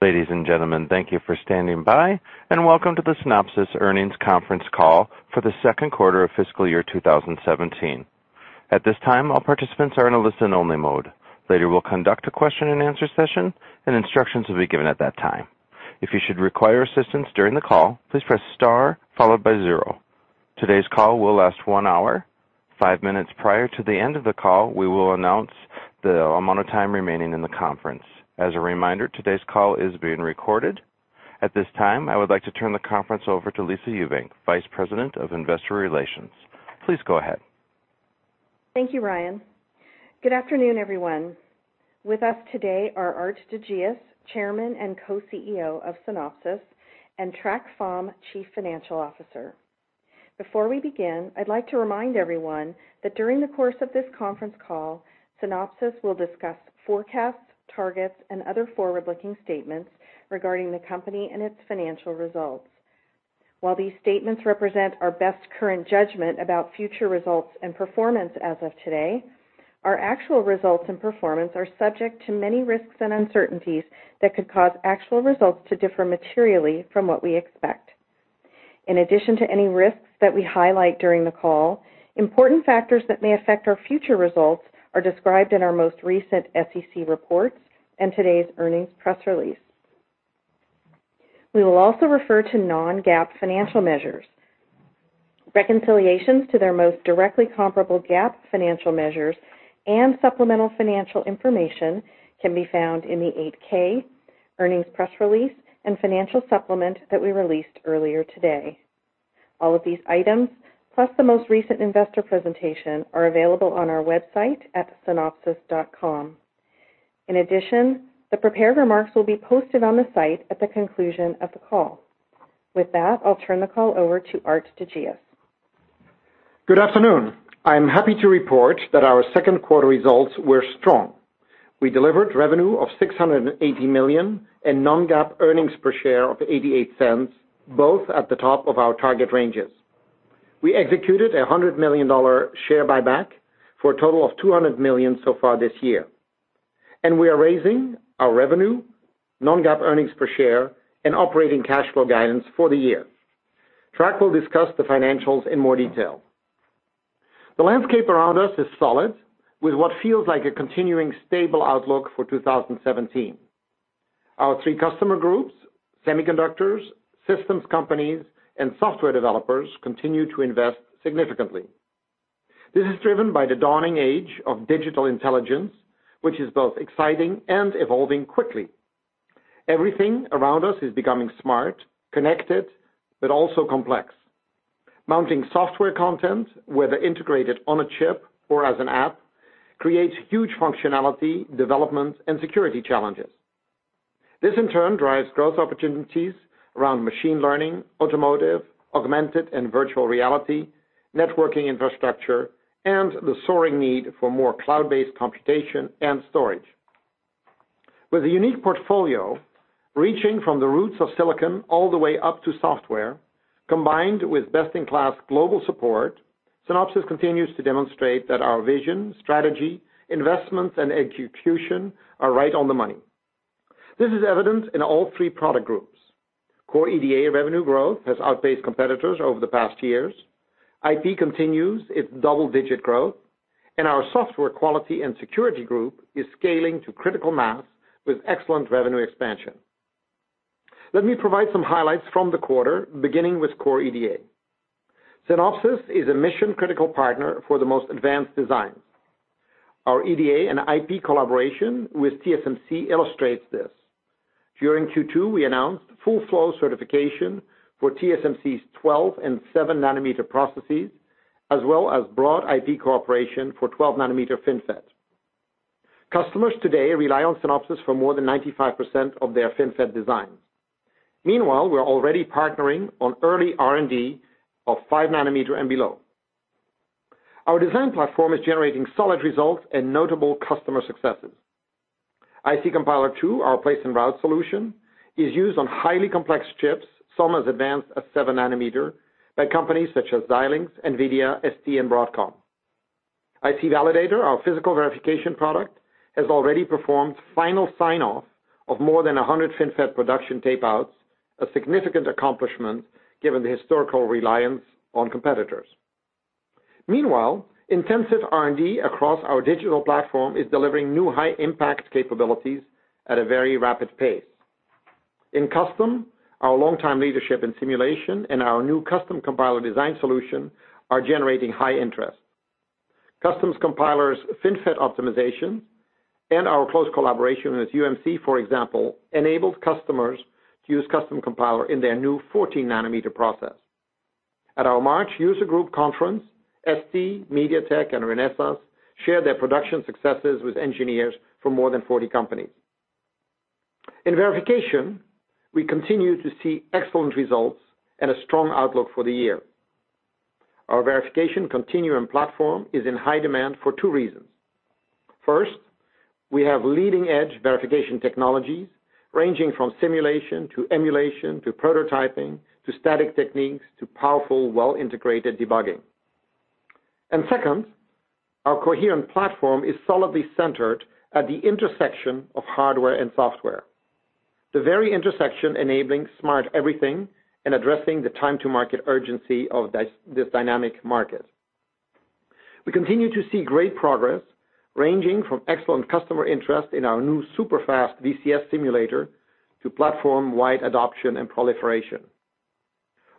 Ladies and gentlemen, thank you for standing by, and welcome to the Synopsys earnings conference call for the second quarter of fiscal year 2017. At this time, all participants are in a listen-only mode. Later, we'll conduct a question and answer session, and instructions will be given at that time. If you should require assistance during the call, please press star followed by zero. Today's call will last one hour. Five minutes prior to the end of the call, we will announce the amount of time remaining in the conference. As a reminder, today's call is being recorded. At this time, I would like to turn the conference over to Lisa Ewbank, Vice President of Investor Relations. Please go ahead. Thank you, Ryan. Good afternoon, everyone. With us today are Aart de Geus, Chairman and co-CEO of Synopsys, and Trac Pham, Chief Financial Officer. Before we begin, I'd like to remind everyone that during the course of this conference call, Synopsys will discuss forecasts, targets, and other forward-looking statements regarding the company and its financial results. While these statements represent our best current judgment about future results and performance as of today, our actual results and performance are subject to many risks and uncertainties that could cause actual results to differ materially from what we expect. In addition to any risks that we highlight during the call, important factors that may affect our future results are described in our most recent SEC reports and today's earnings press release. We will also refer to non-GAAP financial measures. Reconciliations to their most directly comparable GAAP financial measures and supplemental financial information can be found in the 8-K, earnings press release, and financial supplement that we released earlier today. All of these items, plus the most recent investor presentation, are available on our website at synopsys.com. The prepared remarks will be posted on the site at the conclusion of the call. With that, I'll turn the call over to Aart de Geus. Good afternoon. I am happy to report that our second quarter results were strong. We delivered revenue of $680 million and non-GAAP earnings per share of $0.88, both at the top of our target ranges. We executed a $100 million share buyback, for a total of $200 million so far this year, and we are raising our revenue, non-GAAP earnings per share, and operating cash flow guidance for the year. Trac will discuss the financials in more detail. The landscape around us is solid, with what feels like a continuing stable outlook for 2017. Our three customer groups, semiconductors, systems companies, and software developers, continue to invest significantly. This is driven by the dawning age of digital intelligence, which is both exciting and evolving quickly. Everything around us is becoming smart, connected, but also complex. Mounting software content, whether integrated on a chip or as an app, creates huge functionality, development, and security challenges. This, in turn, drives growth opportunities around machine learning, automotive, augmented and virtual reality, networking infrastructure, and the soaring need for more cloud-based computation and storage. With a unique portfolio reaching from the roots of silicon all the way up to software, combined with best-in-class global support, Synopsys continues to demonstrate that our vision, strategy, investments, and execution are right on the money. This is evident in all three product groups. Core EDA revenue growth has outpaced competitors over the past years. IP continues its double-digit growth, and our software quality and security group is scaling to critical mass with excellent revenue expansion. Let me provide some highlights from the quarter, beginning with core EDA. Synopsys is a mission-critical partner for the most advanced designs. Our EDA and IP collaboration with TSMC illustrates this. During Q2, we announced full flow certification for TSMC's 12 and seven-nanometer processes, as well as broad IP cooperation for 12-nanometer FinFET. Customers today rely on Synopsys for more than 95% of their FinFET designs. Meanwhile, we're already partnering on early R&D of five nanometer and below. Our design platform is generating solid results and notable customer successes. IC Compiler II, our place and route solution, is used on highly complex chips, some as advanced as seven nanometer, by companies such as Xilinx, Nvidia, ST, and Broadcom. IC Validator, our physical verification product, has already performed final sign-off of more than 100 FinFET production tape-outs, a significant accomplishment given the historical reliance on competitors. Meanwhile, intensive R&D across our digital platform is delivering new high-impact capabilities at a very rapid pace. In custom, our longtime leadership in simulation and our new Custom Compiler design solution are generating high interest. Custom Compiler's FinFET optimization and our close collaboration with UMC, for example, enabled customers to use Custom Compiler in their new 14-nanometer process. At our March user group conference, ST, MediaTek, and Renesas shared their production successes with engineers from more than 40 companies. In verification, we continue to see excellent results and a strong outlook for the year. Our verification continuum platform is in high demand for two reasons. First, we have leading-edge verification technologies ranging from simulation, to emulation, to prototyping, to static techniques, to powerful, well-integrated debugging. Second, our coherent platform is solidly centered at the intersection of hardware and software. The very intersection enabling smart everything and addressing the time to market urgency of this dynamic market. We continue to see great progress, ranging from excellent customer interest in our new super-fast VCS simulator to platform-wide adoption and proliferation.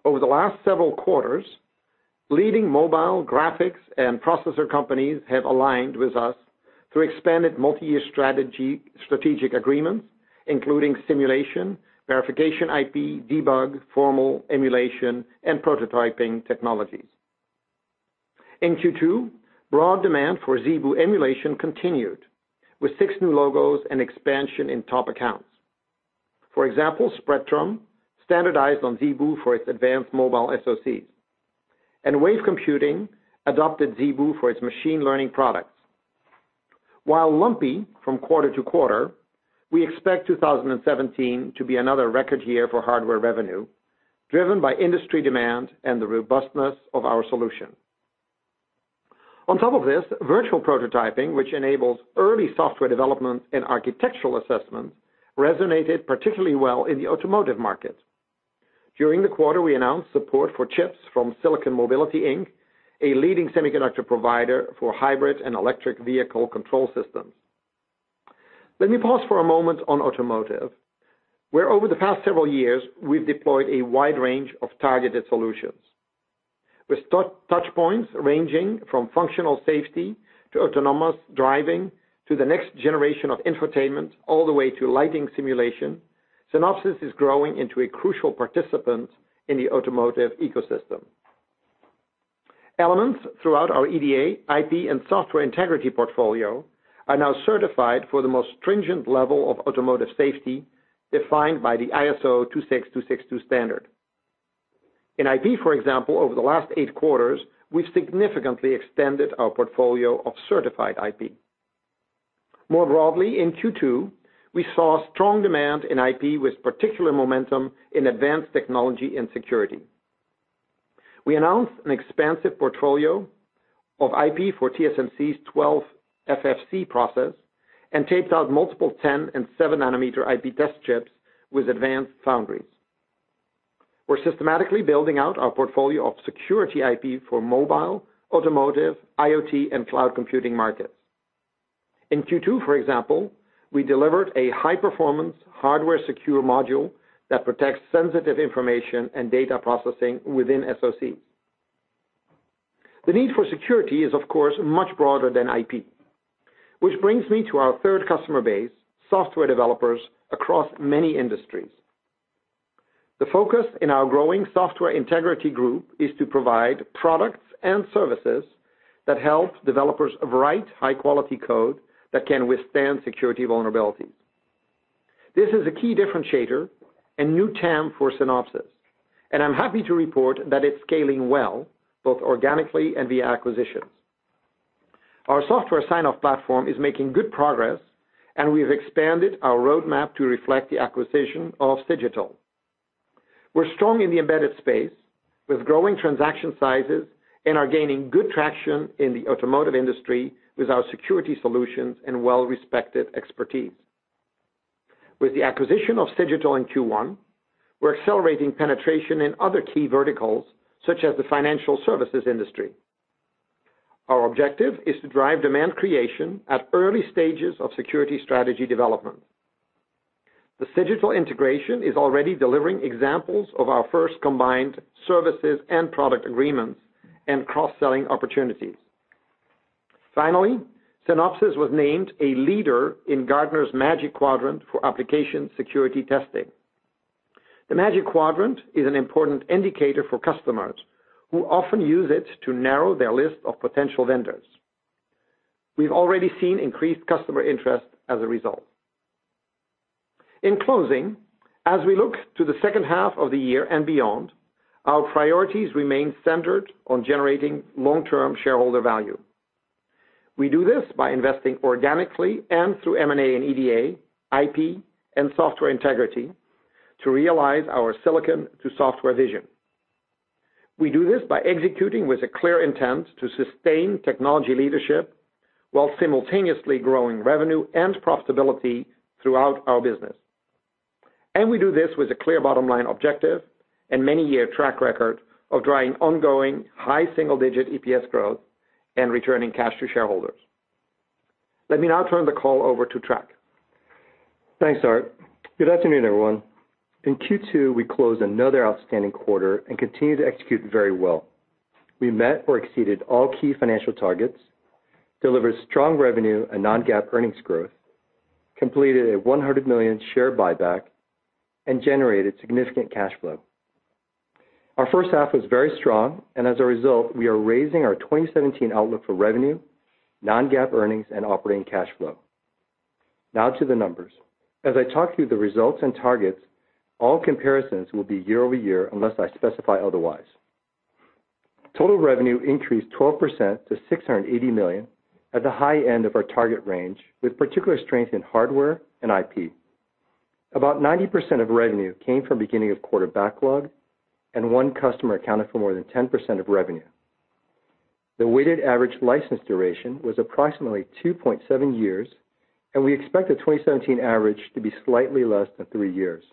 Over the last several quarters, leading mobile, graphics, and processor companies have aligned with us through expanded multi-year strategic agreements, including simulation, verification IP, debug, formal emulation, and prototyping technologies. In Q2, broad demand for ZeBu emulation continued, with six new logos and expansion in top accounts. For example, Spreadtrum standardized on ZeBu for its advanced mobile SoCs, and Wave Computing adopted ZeBu for its machine learning products. While lumpy from quarter to quarter, we expect 2017 to be another record year for hardware revenue, driven by industry demand and the robustness of our solution. On top of this, virtual prototyping, which enables early software development and architectural assessments, resonated particularly well in the automotive market. During the quarter, we announced support for chips from Silicon Mobility Inc, a leading semiconductor provider for hybrid and electric vehicle control systems. Let me pause for a moment on automotive, where over the past several years, we've deployed a wide range of targeted solutions. With touchpoints ranging from functional safety to autonomous driving to the next generation of entertainment, all the way to lighting simulation, Synopsys is growing into a crucial participant in the automotive ecosystem. Elements throughout our EDA, IP, and software integrity portfolio are now certified for the most stringent level of automotive safety defined by the ISO 26262 standard. In IP, for example, over the last eight quarters, we've significantly extended our portfolio of certified IP. More broadly, in Q2, we saw strong demand in IP with particular momentum in advanced technology and security. We announced an expansive portfolio of IP for TSMC's 12 FFC process and taped out multiple 10 and seven-nanometer IP test chips with advanced foundries. We're systematically building out our portfolio of security IP for mobile, automotive, IoT, and cloud computing markets. In Q2, for example, we delivered a high-performance, hardware-secure module that protects sensitive information and data processing within SoCs. The need for security is, of course, much broader than IP. Which brings me to our third customer base, software developers across many industries. The focus in our growing software integrity group is to provide products and services that help developers write high-quality code that can withstand security vulnerabilities. This is a key differentiator and new TAM for Synopsys, and I'm happy to report that it's scaling well, both organically and via acquisitions. Our software sign-off platform is making good progress, and we've expanded our roadmap to reflect the acquisition of Cigital. We're strong in the embedded space with growing transaction sizes and are gaining good traction in the automotive industry with our security solutions and well-respected expertise. With the acquisition of Cigital in Q1, we're accelerating penetration in other key verticals, such as the financial services industry. Our objective is to drive demand creation at early stages of security strategy development. The Cigital integration is already delivering examples of our first combined services and product agreements and cross-selling opportunities. Finally, Synopsys was named a leader in Gartner's Magic Quadrant for application security testing. The Magic Quadrant is an important indicator for customers who often use it to narrow their list of potential vendors. We've already seen increased customer interest as a result. In closing, as we look to the second half of the year and beyond, our priorities remain centered on generating long-term shareholder value. We do this by investing organically and through M&A and EDA, IP, and software integrity to realize our silicon-to-software vision. We do this by executing with a clear intent to sustain technology leadership while simultaneously growing revenue and profitability throughout our business. We do this with a clear bottom-line objective and many-year track record of driving ongoing high single-digit EPS growth and returning cash to shareholders. Let me now turn the call over to Trac. Thanks, Aart. Good afternoon, everyone. In Q2, we closed another outstanding quarter and continued to execute very well. We met or exceeded all key financial targets, delivered strong revenue and non-GAAP earnings growth, completed a $100 million share buyback, and generated significant cash flow. Our first half was very strong, and as a result, we are raising our 2017 outlook for revenue, non-GAAP earnings, and operating cash flow. Now to the numbers. As I talk through the results and targets, all comparisons will be year-over-year unless I specify otherwise. Total revenue increased 12% to $680 million at the high end of our target range, with particular strength in hardware and IP. About 90% of revenue came from beginning of quarter backlog, and one customer accounted for more than 10% of revenue. The weighted average license duration was approximately 2.7 years, and we expect the 2017 average to be slightly less than three years.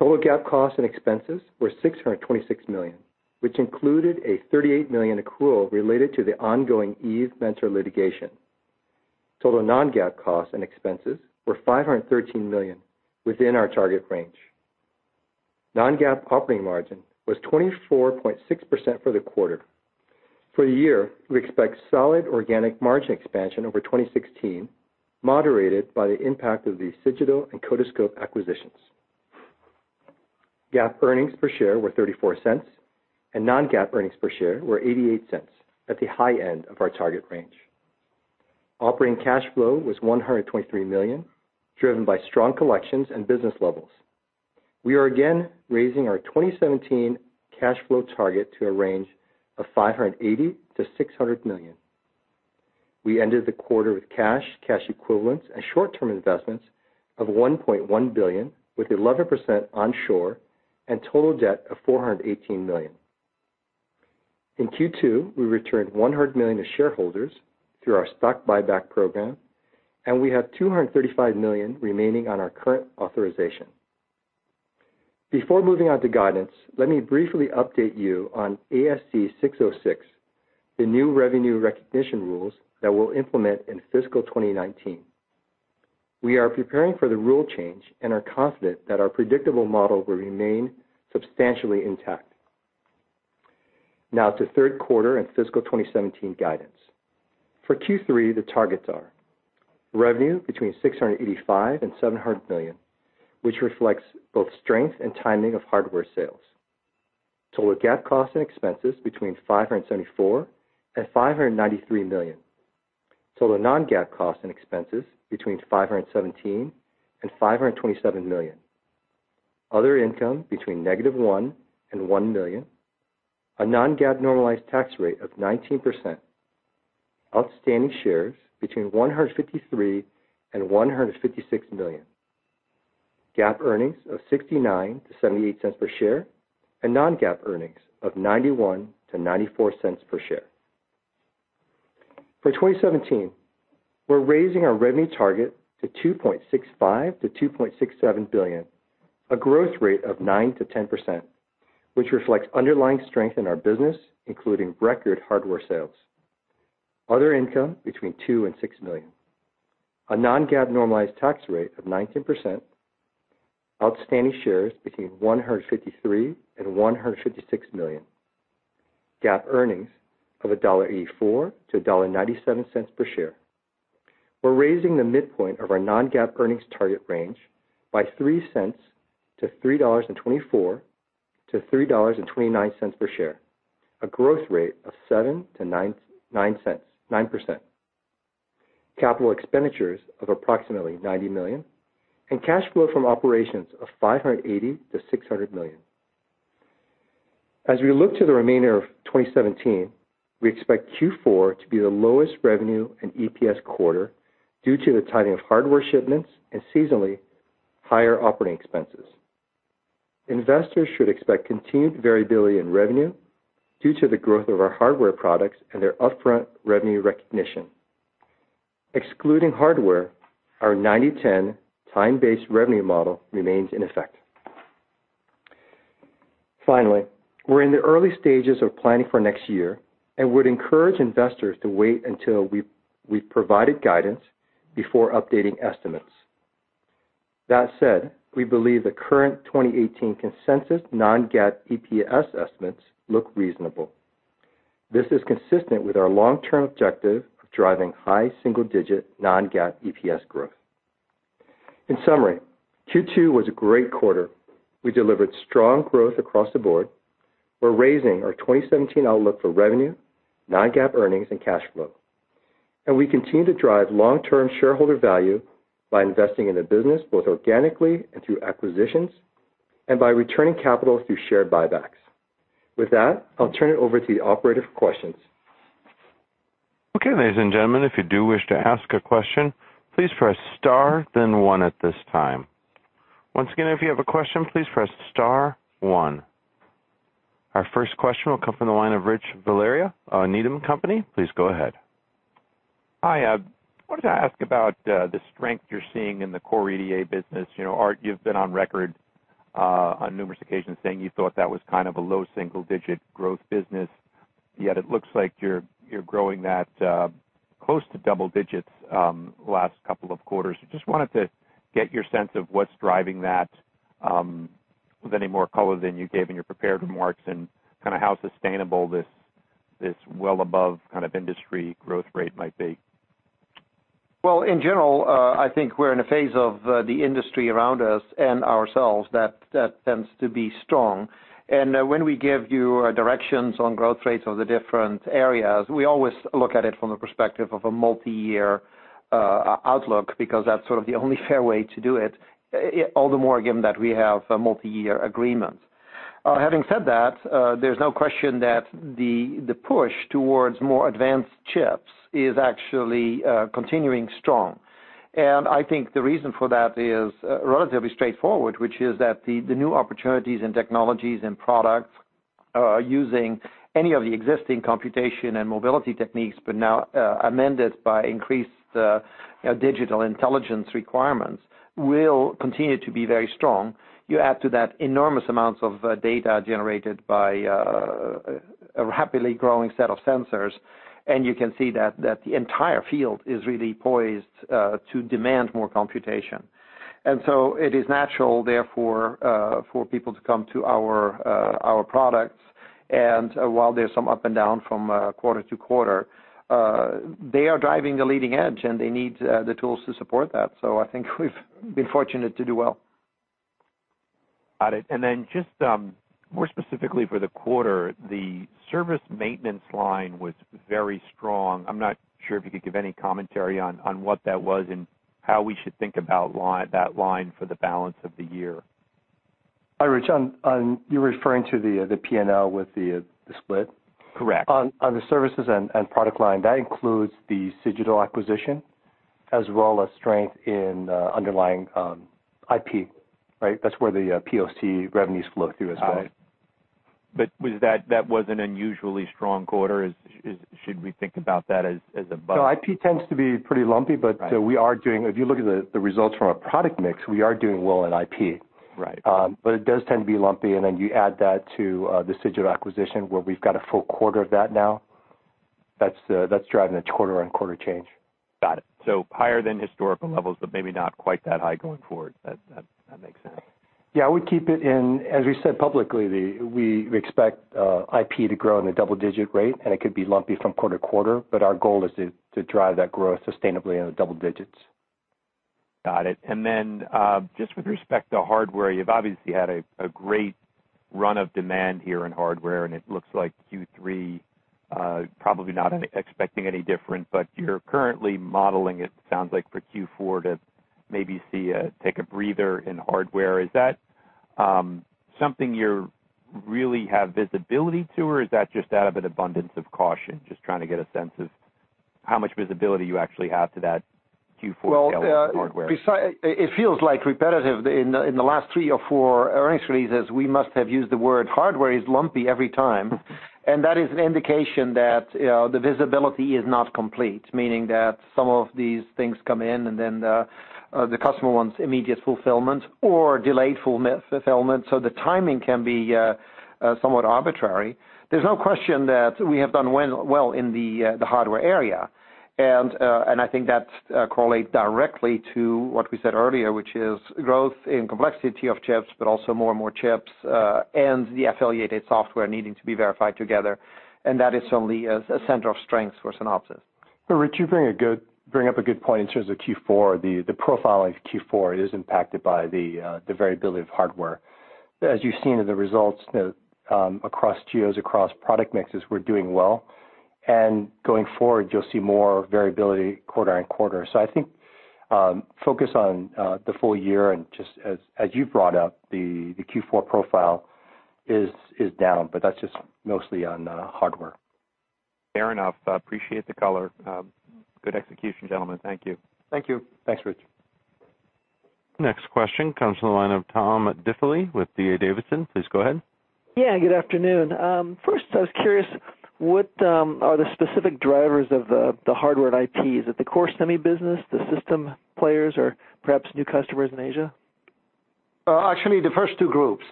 Total GAAP costs and expenses were $626 million, which included a $38 million accrual related to the ongoing EVE Mentor litigation. Total non-GAAP costs and expenses were $513 million within our target range. Non-GAAP operating margin was 24.6% for the quarter. For the year, we expect solid organic margin expansion over 2016, moderated by the impact of the Cigital and Codiscope acquisitions. GAAP earnings per share were $0.34, and non-GAAP earnings per share were $0.88, at the high end of our target range. Operating cash flow was $123 million, driven by strong collections and business levels. We are again raising our 2017 cash flow target to a range of $580 million-$600 million. We ended the quarter with cash equivalents, and short-term investments of $1.1 billion, with 11% onshore and total debt of $418 million. In Q2, we returned $100 million to shareholders through our stock buyback program, and we have $235 million remaining on our current authorization. Before moving on to guidance, let me briefly update you on ASC 606, the new revenue recognition rules that we'll implement in fiscal 2019. We are preparing for the rule change and are confident that our predictable model will remain substantially intact. Now to third quarter and fiscal 2017 guidance. For Q3, the targets are revenue between $685 million and $700 million, which reflects both strength and timing of hardware sales. Total GAAP costs and expenses between $574 million and $593 million. Total non-GAAP costs and expenses between $517 million and $527 million. Other income between -$1 million and $1 million. A non-GAAP normalized tax rate of 19%. Outstanding shares between 153 million and 156 million. GAAP earnings of $0.69-$0.78 per share, and non-GAAP earnings of $0.91-$0.94 per share. For 2017, we're raising our revenue target to $2.65 billion-$2.67 billion, a growth rate of 9%-10%, which reflects underlying strength in our business, including record hardware sales. Other income between $2 million and $6 million. A non-GAAP normalized tax rate of 19%. Outstanding shares between 153 million and 156 million. GAAP earnings of $1.84-$1.97 per share. We're raising the midpoint of our non-GAAP earnings target range by $0.03 to $3.24-$3.29 per share, a growth rate of 7%-9%. Capital expenditures of approximately $90 million, and cash flow from operations of $580 million-$600 million. As we look to the remainder of 2017, we expect Q4 to be the lowest revenue and EPS quarter due to the timing of hardware shipments and seasonally higher operating expenses. Investors should expect continued variability in revenue due to the growth of our hardware products and their upfront revenue recognition. Excluding hardware, our 90/10 time-based revenue model remains in effect. We're in the early stages of planning for next year and would encourage investors to wait until we've provided guidance before updating estimates. We believe the current 2018 consensus non-GAAP EPS estimates look reasonable. This is consistent with our long-term objective of driving high single-digit non-GAAP EPS growth. Q2 was a great quarter. We delivered strong growth across the board. We're raising our 2017 outlook for revenue, non-GAAP earnings, and cash flow. We continue to drive long-term shareholder value by investing in the business, both organically and through acquisitions, and by returning capital through share buybacks. I'll turn it over to the operator for questions. Ladies and gentlemen, if you do wish to ask a question, please press star then one at this time. Once again, if you have a question, please press star one. Our first question will come from the line of Rich Valera, Needham & Company. Please go ahead. Hi. I wanted to ask about the strength you're seeing in the core EDA business. You've been on record on numerous occasions saying you thought that was kind of a low single-digit growth business, yet it looks like you're growing that close to double digits last couple of quarters. Just wanted to get your sense of what's driving that, with any more color than you gave in your prepared remarks, and how sustainable this well above industry growth rate might be. Well, in general, I think we're in a phase of the industry around us and ourselves that tends to be strong. When we give you directions on growth rates of the different areas, we always look at it from the perspective of a multi-year outlook, because that's sort of the only fair way to do it, all the more given that we have multi-year agreements. Having said that, there's no question that the push towards more advanced chips is actually continuing strong. I think the reason for that is relatively straightforward, which is that the new opportunities in technologies and products are using any of the existing computation and mobility techniques, but now amended by increased digital intelligence requirements, will continue to be very strong. You add to that enormous amounts of data generated by a rapidly growing set of sensors, and you can see that the entire field is really poised to demand more computation. It is natural, therefore, for people to come to our products. While there's some up and down from quarter to quarter, they are driving the leading edge, and they need the tools to support that. I think we've been fortunate to do well. Got it. Then just more specifically for the quarter, the service maintenance line was very strong. I'm not sure if you could give any commentary on what that was and how we should think about that line for the balance of the year. Hi, Rich. You're referring to the P&L with the split? Correct. On the services and product line, that includes the Cigital acquisition, as well as strength in underlying IP, right? That's where the POC revenues flow through as well. Got it. That was an unusually strong quarter. Should we think about that as above? No, IP tends to be pretty lumpy. If you look at the results from our product mix, we are doing well in IP. Right. It does tend to be lumpy, and then you add that to the Cigital acquisition, where we've got a full quarter of that now. That's driving a quarter-over-quarter change. Got it. Higher than historical levels, but maybe not quite that high going forward. That makes sense. Yeah, we keep it in, as we said publicly, we expect IP to grow in the double-digit rate, and it could be lumpy from quarter-to-quarter, but our goal is to drive that growth sustainably in the double digits. Got it. Just with respect to hardware, you've obviously had a great run of demand here in hardware, and it looks like Q3 probably not expecting any different, but you're currently modeling it sounds like for Q4 to maybe take a breather in hardware. Is that something you really have visibility to, or is that just out of an abundance of caution? Just trying to get a sense of how much visibility you actually have to that Q4 tailwind in hardware. It feels like repetitive in the last three or four earnings releases, we must have used the word hardware is lumpy every time, that is an indication that the visibility is not complete, meaning that some of these things come in and then the customer wants immediate fulfillment or delayed fulfillment, the timing can be somewhat arbitrary. There's no question that we have done well in the hardware area. I think that correlates directly to what we said earlier, which is growth in complexity of chips, but also more and more chips, and the affiliated software needing to be verified together, and that is only a center of strength for Synopsys. Rich, you bring up a good point in terms of Q4. The profile of Q4 is impacted by the variability of hardware. As you've seen in the results across geos, across product mixes, we're doing well, and going forward, you'll see more variability quarter and quarter. I think focus on the full year and just as you've brought up, the Q4 profile is down, but that's just mostly on hardware. Fair enough. Appreciate the color. Good execution, gentlemen. Thank you. Thank you. Thanks, Rich. Next question comes from the line of Tom Diffley with D. A. Davidson. Please go ahead. Yeah, good afternoon. First I was curious, what are the specific drivers of the hardware IPs? Is it the core semi business, the system players, or perhaps new customers in Asia? Actually, the first two groups,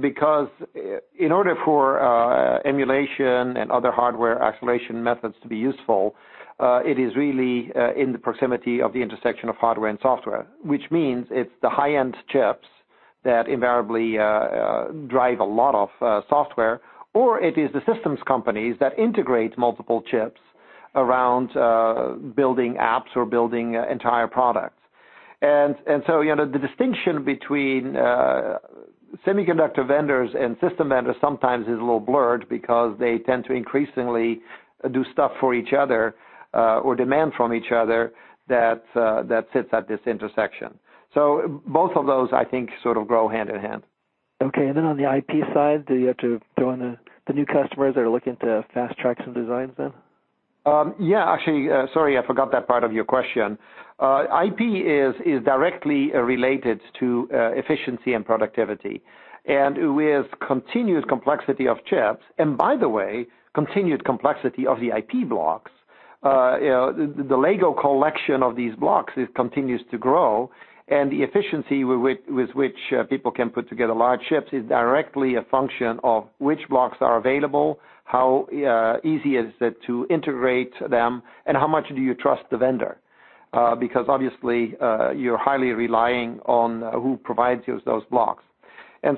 because in order for emulation and other hardware acceleration methods to be useful, it is really in the proximity of the intersection of hardware and software, which means it's the high-end chips that invariably drive a lot of software, or it is the systems companies that integrate multiple chips around building apps or building entire products. The distinction between semiconductor vendors and system vendors sometimes is a little blurred because they tend to increasingly do stuff for each other, or demand from each other that sits at this intersection. Both of those, I think sort of go hand in hand. Okay, on the IP side, do you have to join the new customers that are looking to fast track some designs then? Yeah, actually, sorry, I forgot that part of your question. IP is directly related to efficiency and productivity, and with continued complexity of chips, and by the way, continued complexity of the IP blocks, the Lego collection of these blocks continues to grow, and the efficiency with which people can put together large chips is directly a function of which blocks are available, how easy is it to integrate them, and how much do you trust the vendor? Because obviously, you're highly relying on who provides you those blocks. As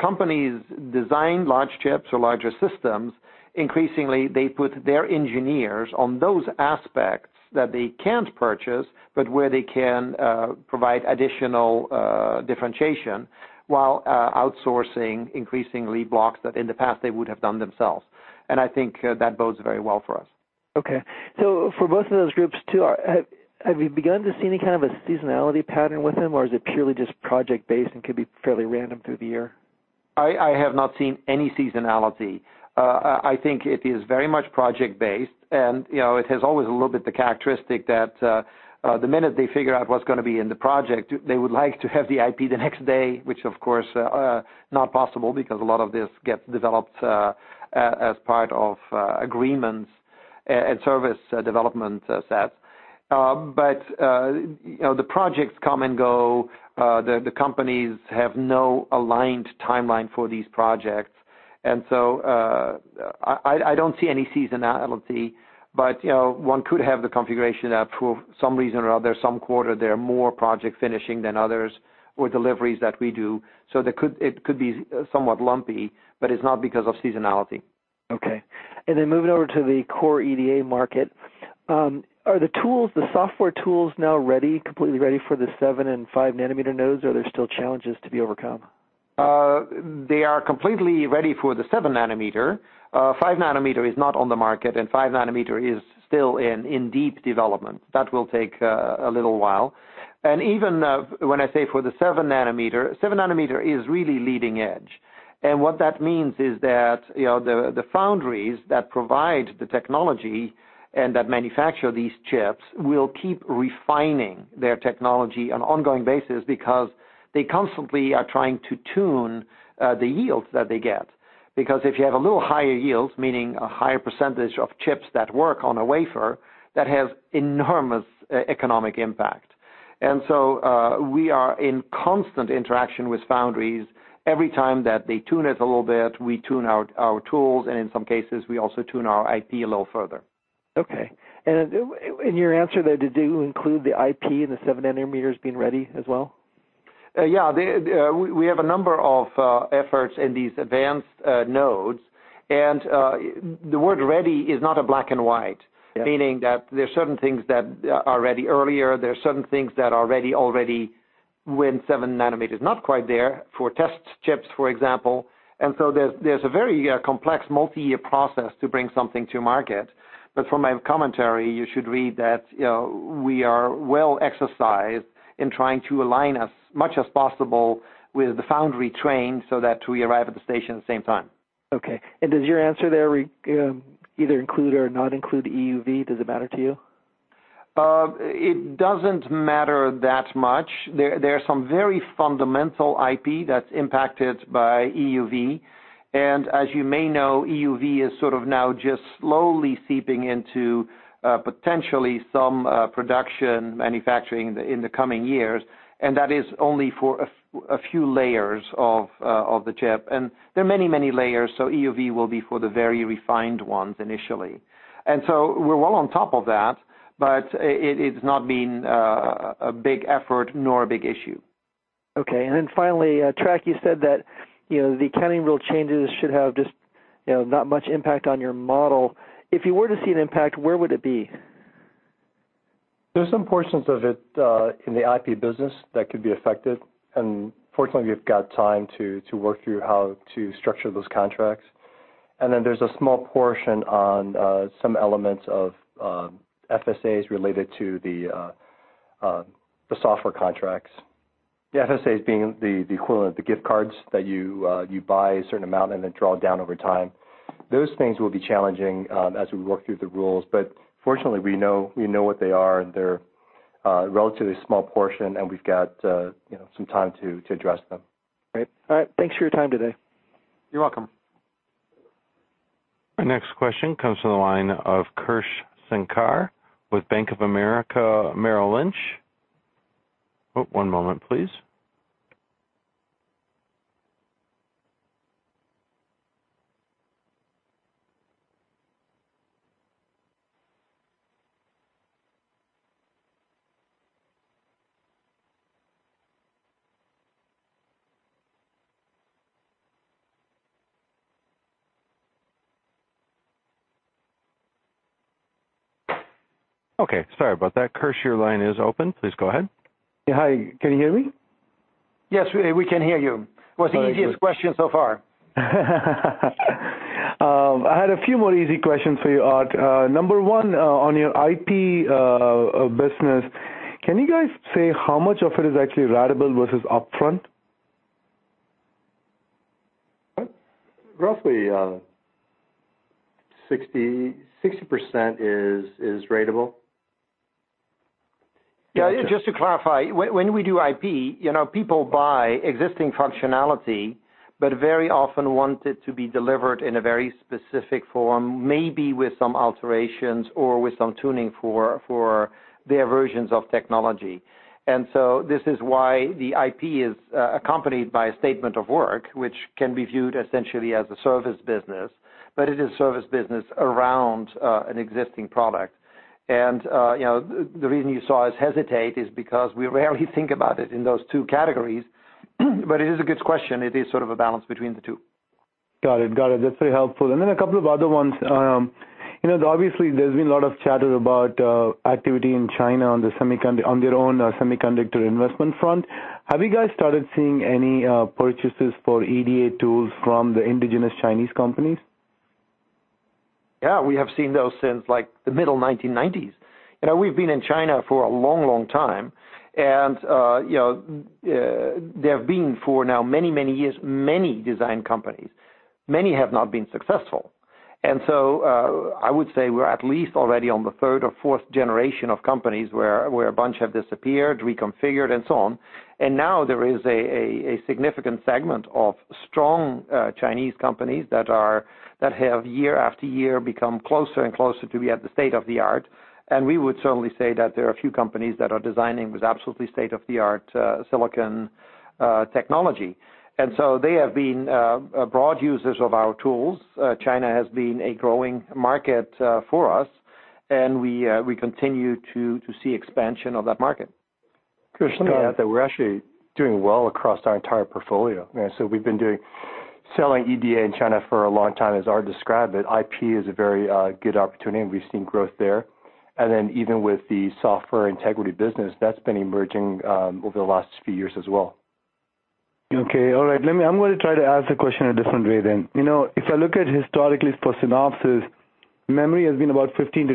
companies design large chips or larger systems, increasingly they put their engineers on those aspects that they can't purchase, but where they can provide additional differentiation while outsourcing increasingly blocks that in the past they would have done themselves. I think that bodes very well for us. Okay. For both of those groups too, have you begun to see any kind of a seasonality pattern with them, or is it purely just project-based and could be fairly random through the year? I have not seen any seasonality. I think it is very much project-based, and it has always a little bit the characteristic that the minute they figure out what's going to be in the project, they would like to have the IP the next day, which of course, not possible because a lot of this gets developed as part of agreements and service development sets. The projects come and go. The companies have no aligned timeline for these projects. I don't see any seasonality, but one could have the configuration that for some reason or other, some quarter, there are more project finishing than others or deliveries that we do. It could be somewhat lumpy, but it's not because of seasonality. Okay. Moving over to the core EDA market. Are the software tools now completely ready for the seven and five-nanometer nodes, or are there still challenges to be overcome? They are completely ready for the 7 nanometer. 5 nanometer is not on the market, 5 nanometer is still in deep development. That will take a little while. Even when I say for the 7 nanometer, 7 nanometer is really leading edge. What that means is that the foundries that provide the technology and that manufacture these chips will keep refining their technology on an ongoing basis because they constantly are trying to tune the yields that they get. If you have a little higher yields, meaning a higher percentage of chips that work on a wafer, that has enormous economic impact. We are in constant interaction with foundries. Every time that they tune it a little bit, we tune our tools, and in some cases, we also tune our IP a little further. Okay. In your answer there, did you include the IP and the 7 nanometers being ready as well? Yeah. We have a number of efforts in these advanced nodes, the word ready is not a black and white. Yeah meaning that there are certain things that are ready earlier, there are certain things that are ready when 7 nanometers, not quite there for test chips, for example. There's a very complex multi-year process to bring something to market. From my commentary, you should read that we are well-exercised in trying to align as much as possible with the foundry train so that we arrive at the station at the same time. Okay. Does your answer there either include or not include EUV? Does it matter to you? It doesn't matter that much. There are some very fundamental IP that's impacted by EUV, as you may know, EUV is sort of now just slowly seeping into potentially some production manufacturing in the coming years, that is only for a few layers of the chip. There are many layers, so EUV will be for the very refined ones initially. So we're well on top of that, but it's not been a big effort nor a big issue. Okay, finally, Trac, you said that the accounting rule changes should have just not much impact on your model. If you were to see an impact, where would it be? There's some portions of it in the IP business that could be affected, fortunately, we've got time to work through how to structure those contracts. There's a small portion on some elements of FSAs related to the software contracts. The FSAs being the equivalent, the gift cards that you buy a certain amount and then draw down over time. Those things will be challenging as we work through the rules, but fortunately, we know what they are, and they're a relatively small portion, and we've got some time to address them. Great. All right. Thanks for your time today. You're welcome. Our next question comes from the line of Krish Sankar with Bank of America Merrill Lynch. One moment, please. Okay. Sorry about that. Krish, your line is open. Please go ahead. Yeah. Hi, can you hear me? Yes, we can hear you. Was the easiest question so far. I had a few more easy questions for you, Aart. Number 1, on your IP business, can you guys say how much of it is actually ratable versus upfront? Roughly 60% is ratable. Yeah, just to clarify, when we do IP, people buy existing functionality, but very often want it to be delivered in a very specific form, maybe with some alterations or with some tuning for their versions of technology. This is why the IP is accompanied by a statement of work which can be viewed essentially as a service business, but it is service business around an existing product. The reason you saw us hesitate is because we rarely think about it in those two categories, but it is a good question. It is sort of a balance between the two. Got it. That's very helpful. A couple of other ones. Obviously, there's been a lot of chatter about activity in China on their own semiconductor investment front. Have you guys started seeing any purchases for EDA tools from the indigenous Chinese companies? Yeah, we have seen those since the middle 1990s. We've been in China for a long time and there have been for now many years, many design companies. Many have not been successful. I would say we're at least already on the third or fourth generation of companies where a bunch have disappeared, reconfigured, and so on. There is a significant segment of strong Chinese companies that have year after year become closer and closer to be at the state-of-the-art. We would certainly say that there are a few companies that are designing with absolutely state-of-the-art silicon technology. They have been broad users of our tools. China has been a growing market for us, and we continue to see expansion of that market. Let me add that we're actually doing well across our entire portfolio. We've been selling EDA in China for a long time, as Aart described it. IP is a very good opportunity, and we've seen growth there. Even with the software integrity business, that's been emerging over the last few years as well. Okay. All right. I'm going to try to ask the question a different way. If I look at historically for Synopsys, memory has been about 15%-20%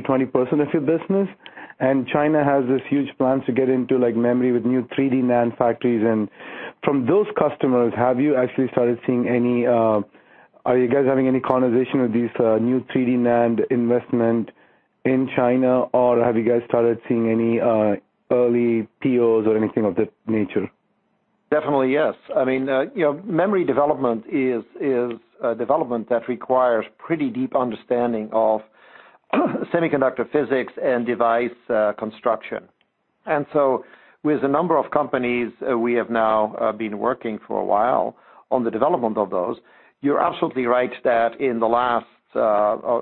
of your business, and China has this huge plan to get into memory with new 3D NAND factories. From those customers, are you guys having any conversation with these new 3D NAND investment in China, or have you guys started seeing any early POs or anything of that nature? Definitely, yes. Memory development is a development that requires pretty deep understanding of semiconductor physics and device construction. With a number of companies we have now been working for a while on the development of those. You're absolutely right that in the last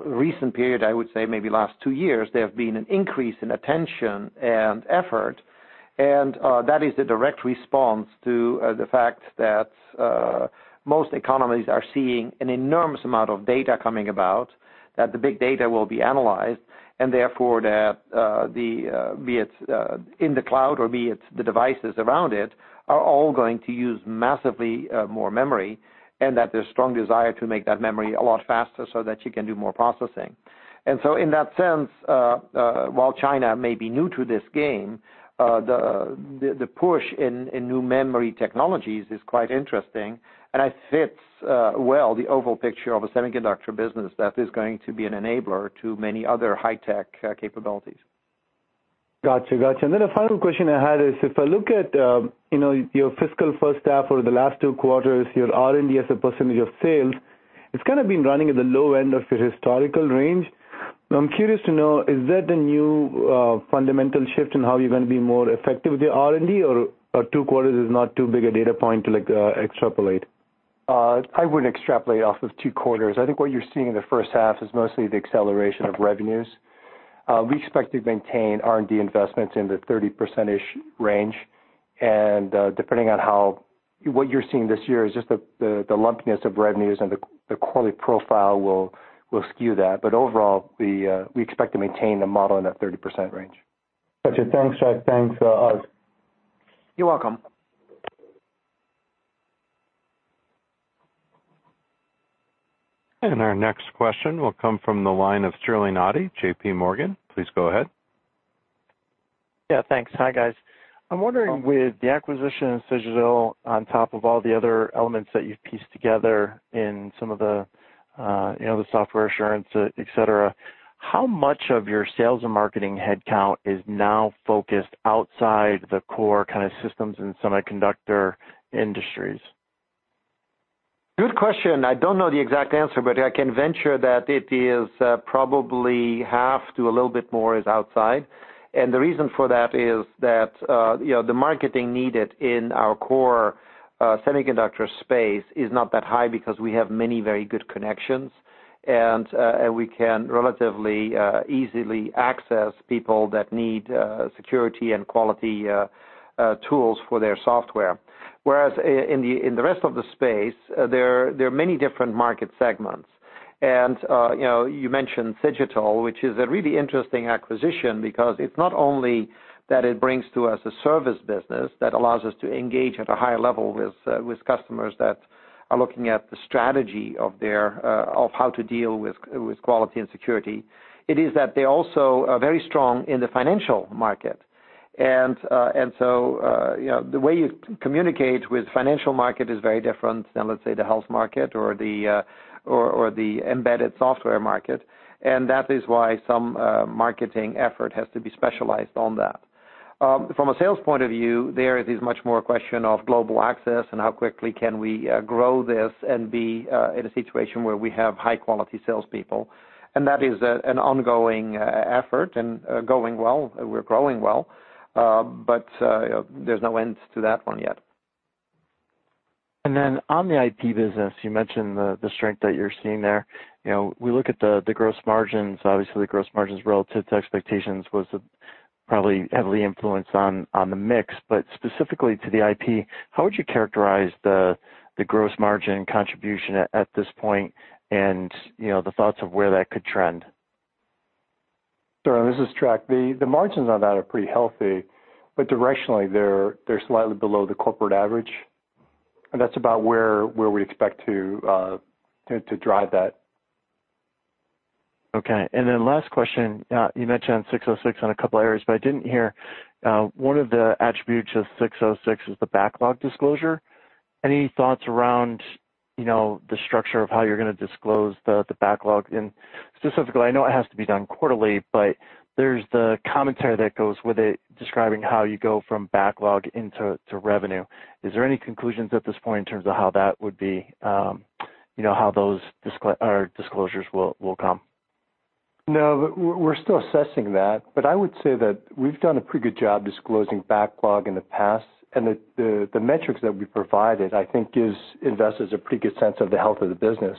recent period, I would say maybe last two years, there have been an increase in attention and effort, that is a direct response to the fact that most economies are seeing an enormous amount of data coming about, that the big data will be analyzed, and therefore be it in the cloud or be it the devices around it, are all going to use massively more memory and that there's strong desire to make that memory a lot faster so that you can do more processing. In that sense, while China may be new to this game, the push in new memory technologies is quite interesting and it fits well the overall picture of a semiconductor business that is going to be an enabler to many other high-tech capabilities. Got you. The final question I had is, if I look at your fiscal first half or the last two quarters, your R&D as a percentage of sales, it's kind of been running at the low end of your historical range. I'm curious to know, is that a new fundamental shift in how you're going to be more effective with your R&D or two quarters is not too big a data point to extrapolate? I wouldn't extrapolate off of two quarters. I think what you're seeing in the first half is mostly the acceleration of revenues. We expect to maintain R&D investments in the 30% range, and depending on what you're seeing this year is just the lumpiness of revenues and the quality profile will skew that. Overall, we expect to maintain the model in that 30% range. Got you. Thanks, Trac. Thanks, Aart. You're welcome. Our next question will come from the line of Sterling Auty, JPMorgan. Please go ahead. Yeah, thanks. Hi guys. I'm wondering with the acquisition of Cigital on top of all the other elements that you've pieced together in some of the software assurance, et cetera, how much of your sales and marketing headcount is now focused outside the core kind of systems and semiconductor industries? Good question. I don't know the exact answer, but I can venture that it is probably half to a little bit more is outside. The reason for that is that the marketing needed in our core semiconductor space is not that high because we have many very good connections, and we can relatively easily access people that need security and quality tools for their software. Whereas in the rest of the space, there are many different market segments. You mentioned Cigital, which is a really interesting acquisition because it's not only that it brings to us a service business that allows us to engage at a higher level with customers that are looking at the strategy of how to deal with quality and security. It is that they also are very strong in the financial market. The way you communicate with financial market is very different than, let's say, the health market or the embedded software market. That is why some marketing effort has to be specialized on that. From a sales point of view, there is this much more question of global access and how quickly can we grow this and be in a situation where we have high-quality salespeople. That is an ongoing effort and going well, we're growing well, but there's no end to that one yet. On the IP business, you mentioned the strength that you're seeing there. We look at the gross margins. Obviously, the gross margins relative to expectations was probably heavily influenced on the mix, but specifically to the IP, how would you characterize the gross margin contribution at this point and the thoughts of where that could trend? Sure. This is Trac. The margins on that are pretty healthy, but directionally, they're slightly below the corporate average. That's about where we expect to drive that. Okay. Last question, you mentioned 606 on a couple areas, I didn't hear one of the attributes of 606 is the backlog disclosure. Any thoughts around the structure of how you're going to disclose the backlog? Specifically, I know it has to be done quarterly, there's the commentary that goes with it describing how you go from backlog into revenue. Is there any conclusions at this point in terms of how that would be, how those disclosures will come? No, we're still assessing that. I would say that we've done a pretty good job disclosing backlog in the past, the metrics that we provided, I think, gives investors a pretty good sense of the health of the business.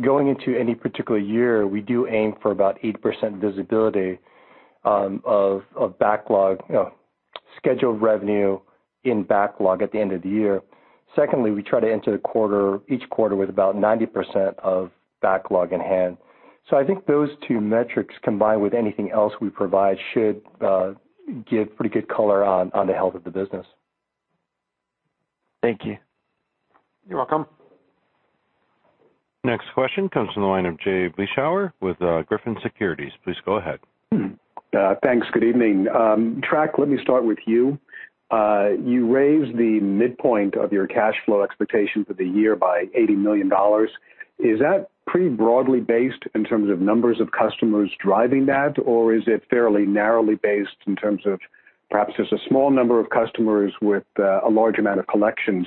Going into any particular year, we do aim for about 80% visibility of backlog, scheduled revenue in backlog at the end of the year. Secondly, we try to enter each quarter with about 90% of backlog in hand. I think those two metrics, combined with anything else we provide, should give pretty good color on the health of the business. Thank you. You're welcome. Next question comes from the line of Jay Vleeschhouwer with Griffin Securities. Please go ahead. Thanks. Good evening. Trac, let me start with you. You raised the midpoint of your cash flow expectation for the year by $80 million. Is that pretty broadly based in terms of numbers of customers driving that, or is it fairly narrowly based in terms of perhaps just a small number of customers with a large amount of collections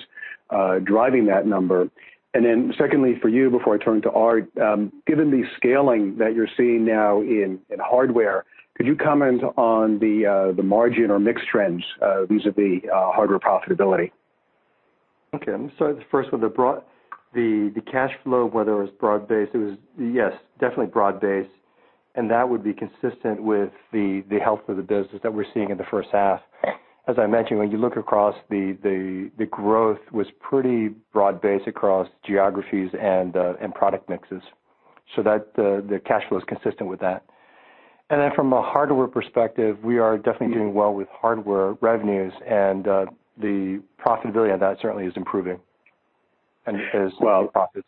driving that number? Secondly, for you, before I turn to Aart, given the scaling that you're seeing now in hardware, could you comment on the margin or mixed trends vis-à-vis hardware profitability? Okay. Let me start with the first one. The cash flow, whether it was broad-based, it was, yes, definitely broad-based, and that would be consistent with the health of the business that we're seeing in the first half. As I mentioned, when you look across, the growth was pretty broad-based across geographies and product mixes. The cash flow is consistent with that. From a hardware perspective, we are definitely doing well with hardware revenues and the profitability on that certainly is improving and is. Well- profits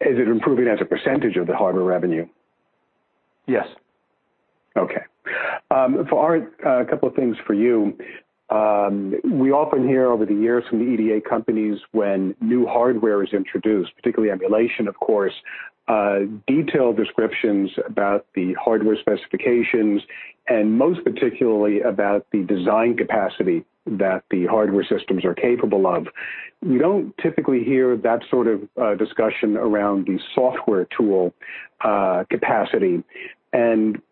Is it improving as a percentage of the hardware revenue? Yes. For Aart, a couple of things for you. We often hear over the years from the EDA companies when new hardware is introduced, particularly emulation, of course, detailed descriptions about the hardware specifications and most particularly about the design capacity that the hardware systems are capable of. We don't typically hear that sort of discussion around the software tool capacity.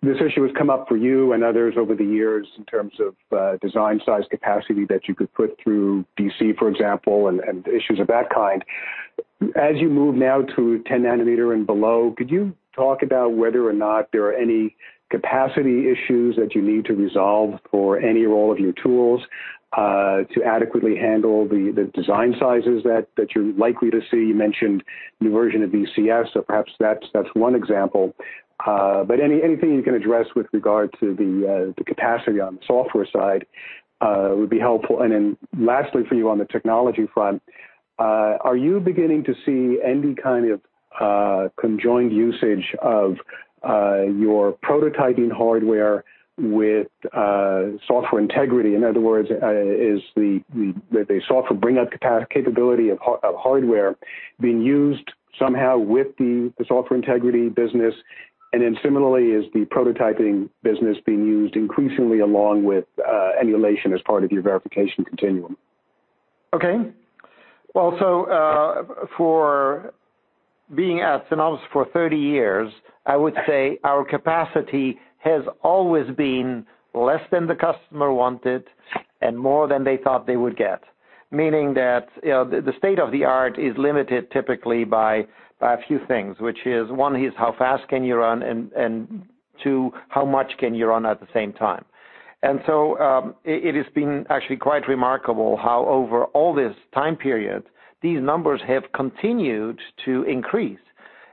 This issue has come up for you and others over the years in terms of design size capacity that you could put through DC, for example, and issues of that kind. As you move now to 10 nanometer and below, could you talk about whether or not there are any capacity issues that you need to resolve for any or all of your tools to adequately handle the design sizes that you're likely to see? You mentioned new version of VCS, so perhaps that's one example. Anything you can address with regard to the capacity on the software side would be helpful. Lastly for you on the technology front, are you beginning to see any kind of conjoined usage of your prototyping hardware with software integrity? In other words, is the software bring up capability of hardware being used somehow with the software integrity business? Similarly, is the prototyping business being used increasingly along with emulation as part of your verification continuum? Well, for being at Synopsys for 30 years, I would say our capacity has always been less than the customer wanted and more than they thought they would get. Meaning that the state-of-the-art is limited typically by a few things, which is one is how fast can you run, and two, how much can you run at the same time. It has been actually quite remarkable how over all this time period, these numbers have continued to increase.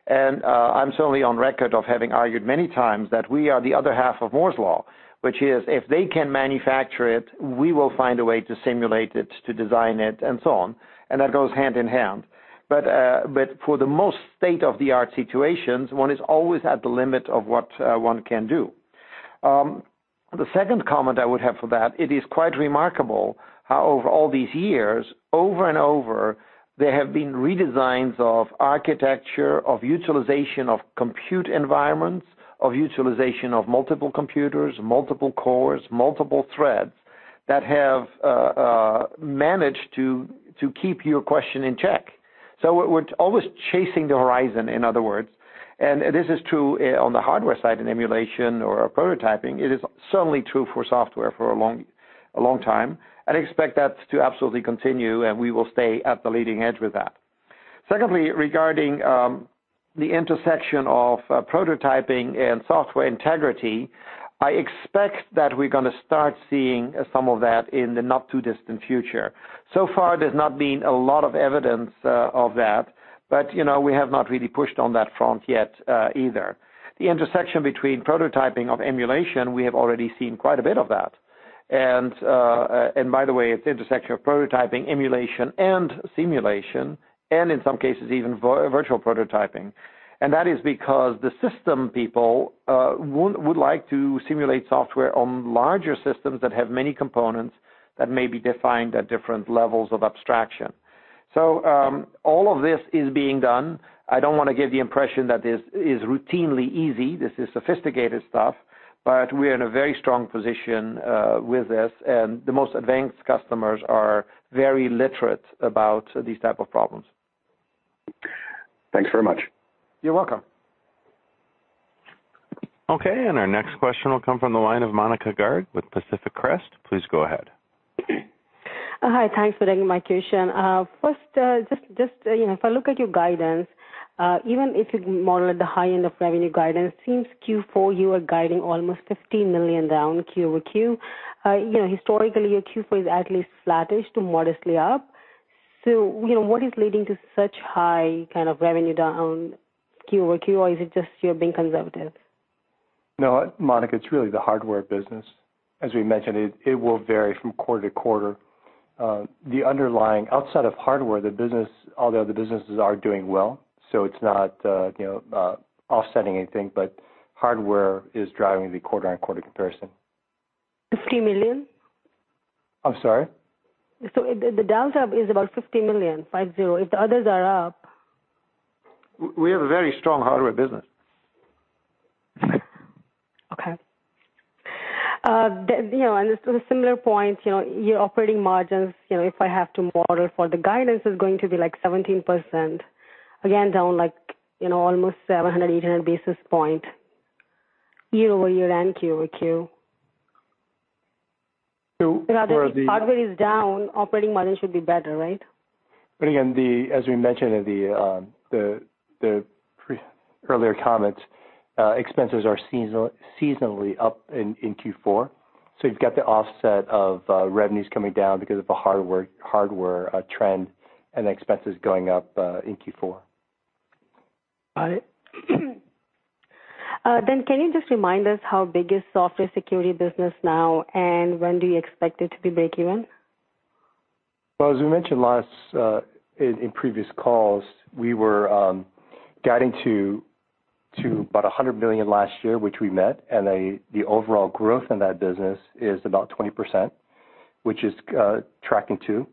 I'm certainly on record of having argued many times that we are the other half of Moore's Law, which is if they can manufacture it, we will find a way to simulate it, to design it, and so on, and that goes hand in hand. For the most state-of-the-art situations, one is always at the limit of what one can do. The second comment I would have for that, it is quite remarkable how over all these years, over and over, there have been redesigns of architecture, of utilization of compute environments, of utilization of multiple computers, multiple cores, multiple threads that have managed to keep your question in check. We're always chasing the horizon, in other words, and this is true on the hardware side in emulation or prototyping. It is certainly true for software for a long time, and expect that to absolutely continue, and we will stay at the leading edge with that. Secondly, regarding the intersection of prototyping and software integrity I expect that we're going to start seeing some of that in the not too distant future. Far, there's not been a lot of evidence of that, we have not really pushed on that front yet either. The intersection between prototyping of emulation, we have already seen quite a bit of that. By the way, it's the intersection of prototyping, emulation, and simulation, and in some cases even virtual prototyping. That is because the system people would like to simulate software on larger systems that have many components that may be defined at different levels of abstraction. All of this is being done. I don't want to give the impression that this is routinely easy. This is sophisticated stuff, but we're in a very strong position with this, and the most advanced customers are very literate about these type of problems. Thanks very much. You're welcome. Okay, our next question will come from the line of Monika Garg with Pacific Crest. Please go ahead. Hi. Thanks for taking my question. If I look at your guidance, even if you model at the high end of revenue guidance, seems Q4 you are guiding almost $15 million down Q-over-Q. Historically, your Q4 is at least flattish to modestly up. What is leading to such high kind of revenue down Q-over-Q, or is it just you being conservative? No, Monika, it's really the hardware business. As we mentioned, it will vary from quarter to quarter. Outside of hardware, all the other businesses are doing well, so it's not offsetting anything, but hardware is driving the quarter-on-quarter comparison. $50 million? I'm sorry? The delta is about $50 million, five-zero, if the others are up. We have a very strong hardware business. Okay. A similar point, your operating margins, if I have to model for the guidance, is going to be like 17%. Again, down like almost 700, 800 basis points year-over-year and Q-over-Q. For the- If hardware is down, operating margin should be better, right? Again, as we mentioned in the earlier comments, expenses are seasonally up in Q4. You've got the offset of revenues coming down because of a hardware trend and expenses going up in Q4. Got it. Can you just remind us how big is software security business now, and when do you expect it to be breakeven? As we mentioned in previous calls, we were guiding to about $100 million last year, which we met, and the overall growth in that business is about 20%, which is tracking too.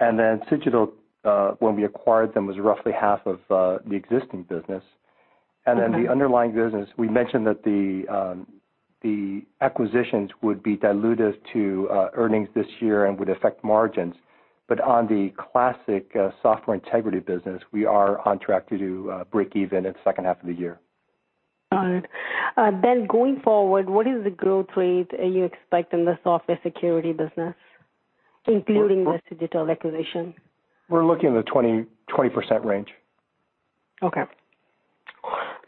Then Cigital, when we acquired them, was roughly half of the existing business. Okay. The underlying business, we mentioned that the acquisitions would be dilutive to earnings this year and would affect margins. On the classic software integrity business, we are on track to break even in the second half of the year. All right. Going forward, what is the growth rate you expect in the software security business, including the Cigital acquisition? We're looking in the 20% range. Okay.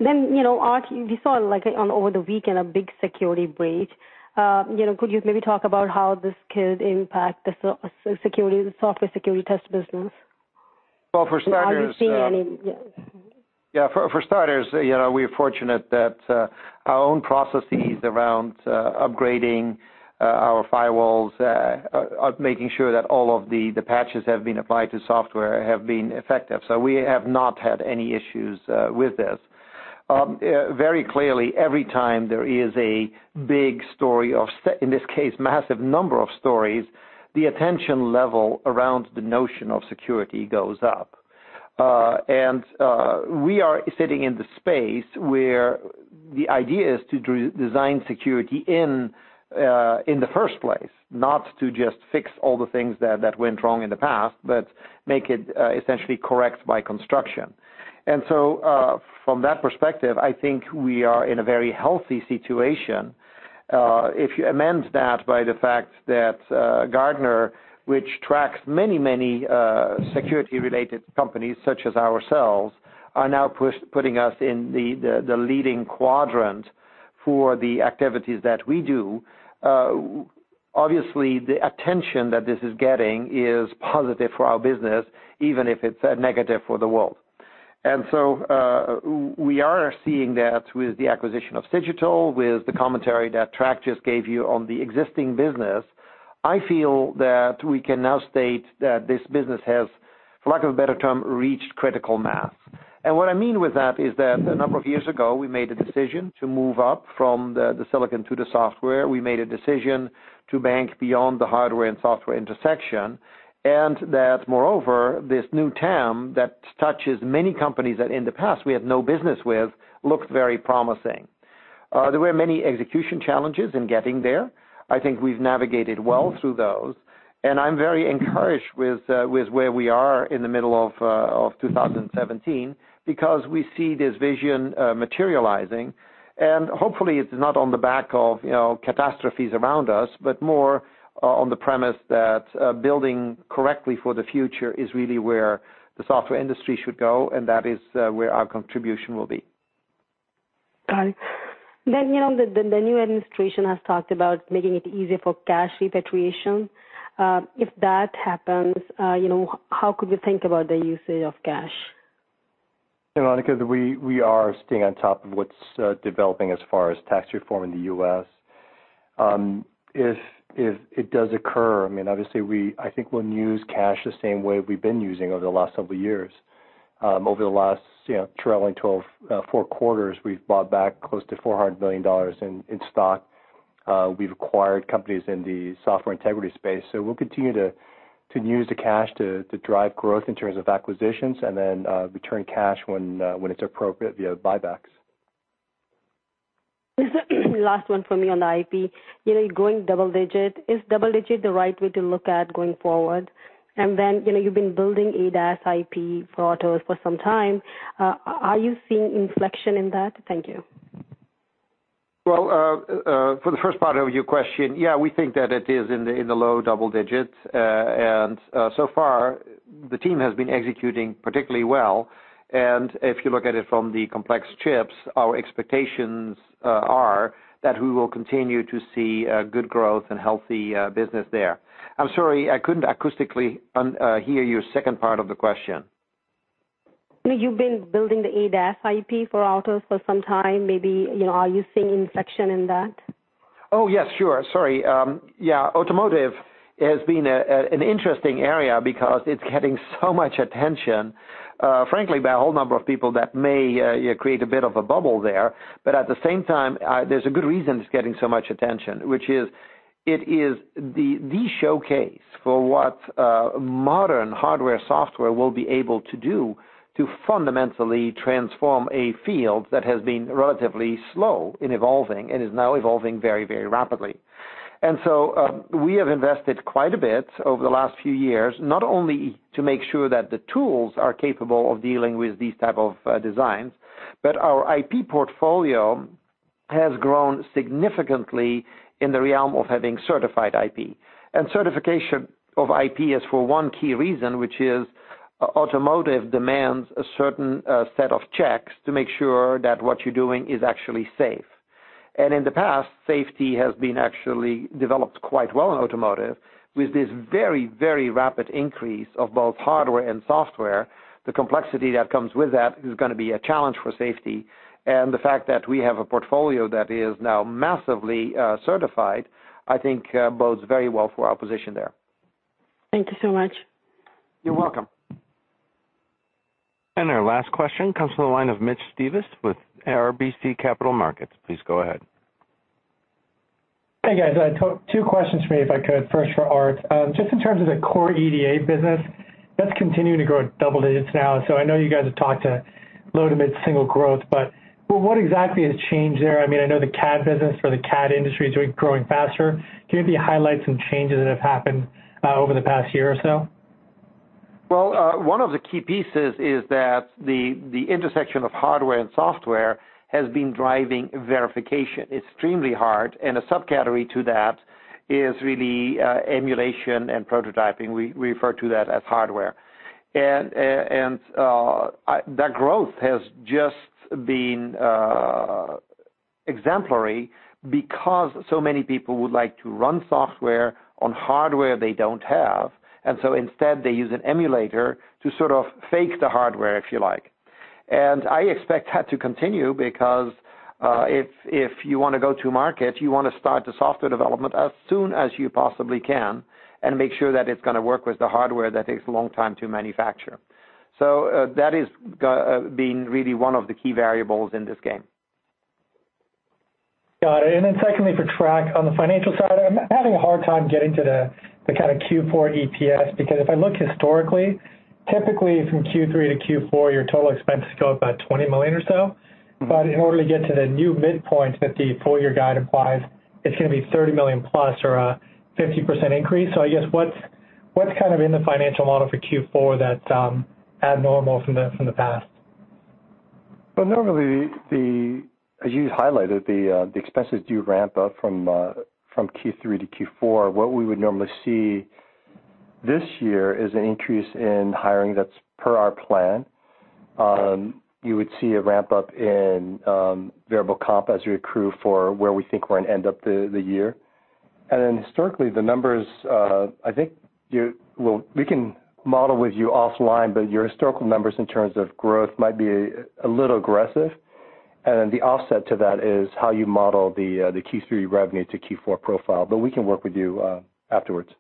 Aart, we saw over the weekend a big security breach. Could you maybe talk about how this could impact the software security test business? Well, for starters. Are you seeing any Yeah. Yeah, for starters, we're fortunate that our own processes around upgrading our firewalls, making sure that all of the patches have been applied to software have been effective. We have not had any issues with this. Very clearly, every time there is a big story of, in this case, massive number of stories, the attention level around the notion of security goes up. We are sitting in the space where the idea is to design security in the first place, not to just fix all the things that went wrong in the past, but make it essentially correct by construction. From that perspective, I think we are in a very healthy situation. If you amend that by the fact that Gartner, which tracks many security-related companies such as ourselves, are now putting us in the leading quadrant for the activities that we do, obviously the attention that this is getting is positive for our business, even if it's a negative for the world. We are seeing that with the acquisition of Cigital, with the commentary that Trac just gave you on the existing business. I feel that we can now state that this business has, for lack of a better term, reached critical mass. What I mean with that is that a number of years ago, we made a decision to move up from the silicon to the software. We made a decision to bank beyond the hardware and software intersection. Moreover, this new TAM that touches many companies that in the past we had no business with, looks very promising. There were many execution challenges in getting there. I think we've navigated well through those. I'm very encouraged with where we are in the middle of 2017 because we see this vision materializing. Hopefully it's not on the back of catastrophes around us, but more on the premise that building correctly for the future is really where the software industry should go. That is where our contribution will be. Got it. The new administration has talked about making it easier for cash repatriation. If that happens, how could we think about the usage of cash? Monika, we are staying on top of what's developing as far as tax reform in the U.S. If it does occur, obviously I think we'll use cash the same way we've been using over the last several years. Over the last trailing four quarters, we've bought back close to $400 million in stock. We've acquired companies in the software integrity space. We'll continue to use the cash to drive growth in terms of acquisitions. Then return cash when it's appropriate via buybacks. Last one from me on IP. You're growing double digit. Is double digit the right way to look at going forward? You've been building ADAS IP for autos for some time, are you seeing inflection in that? Thank you. Well, for the first part of your question, yeah, we think that it is in the low double digits. So far the team has been executing particularly well, and if you look at it from the complex chips, our expectations are that we will continue to see good growth and healthy business there. I'm sorry, I couldn't acoustically hear your second part of the question. You've been building the ADAS IP for autos for some time. Maybe, are you seeing inflection in that? Oh, yes. Sure. Sorry. Yeah, automotive has been an interesting area because it's getting so much attention, frankly, by a whole number of people that may create a bit of a bubble there. At the same time, there's a good reason it's getting so much attention, which is, it is the showcase for what modern hardware software will be able to do to fundamentally transform a field that has been relatively slow in evolving and is now evolving very rapidly. So we have invested quite a bit over the last few years, not only to make sure that the tools are capable of dealing with these type of designs, but our IP portfolio has grown significantly in the realm of having certified IP. Certification of IP is for one key reason, which is automotive demands a certain set of checks to make sure that what you're doing is actually safe. In the past, safety has been actually developed quite well in automotive. With this very rapid increase of both hardware and software, the complexity that comes with that is going to be a challenge for safety. The fact that we have a portfolio that is now massively certified, I think bodes very well for our position there. Thank you so much. You're welcome. Our last question comes from the line of Mitch Steves with RBC Capital Markets. Please go ahead. Hey, guys. Two questions for me, if I could. First for Aart. Just in terms of the core EDA business, that's continuing to grow at double digits now. I know you guys have talked to low to mid-single growth, but what exactly has changed there? I know the CAD business or the CAD industry is growing faster. Can you maybe highlight some changes that have happened over the past year or so? Well, one of the key pieces is that the intersection of hardware and software has been driving verification extremely hard, a subcategory to that is really emulation and prototyping. We refer to that as hardware. That growth has just been exemplary because so many people would like to run software on hardware they don't have. Instead they use an emulator to sort of fake the hardware, if you like. I expect that to continue because, if you want to go to market, you want to start the software development as soon as you possibly can and make sure that it's going to work with the hardware that takes a long time to manufacture. That has been really one of the key variables in this game. Got it. Secondly, for Trac, on the financial side, I'm having a hard time getting to the kind of Q4 EPS, because if I look historically, typically from Q3 to Q4, your total expenses go up by $20 million or so. In order to get to the new midpoint that the full-year guide implies, it's going to be $30 million-plus or a 50% increase. I guess what's kind of in the financial model for Q4 that's abnormal from the past? Well, normally, as you highlighted, the expenses do ramp up from Q3 to Q4. What we would normally see this year is an increase in hiring that's per our plan. Right. You would see a ramp up in variable comp as we accrue for where we think we're going to end up the year. Historically, the numbers, we can model with you offline, but your historical numbers in terms of growth might be a little aggressive. The offset to that is how you model the Q3 revenue to Q4 profile, but we can work with you afterwards.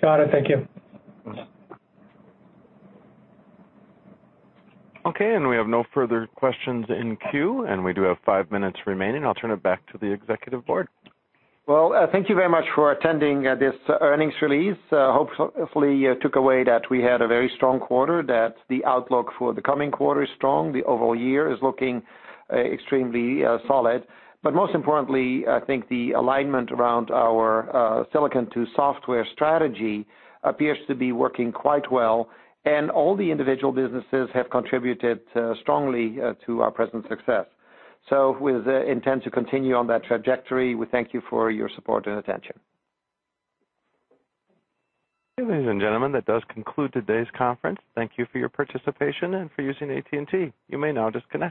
Got it. Thank you. Yes. Okay, we have no further questions in queue, and we do have five minutes remaining. I'll turn it back to the Executive Board. Well, thank you very much for attending this earnings release. Hopefully you took away that we had a very strong quarter, that the outlook for the coming quarter is strong, the overall year is looking extremely solid. Most importantly, I think the alignment around our Silicon-to-Software Strategy appears to be working quite well, and all the individual businesses have contributed strongly to our present success. With the intent to continue on that trajectory, we thank you for your support and attention. Ladies and gentlemen, that does conclude today's conference. Thank you for your participation and for using AT&T. You may now disconnect.